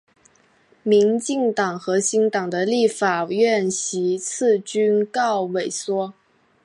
民进党和新党的立法院席次均告萎缩。